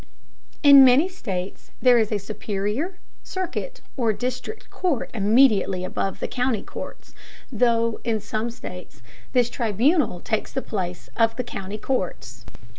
In many states there is a superior, circuit, or district court immediately above the county courts, though in some states this tribunal takes the place of the county courts.